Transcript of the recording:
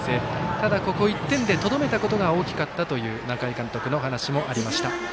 ただ、ここ１点でとどめたことが大きかったという仲井監督の話もありました。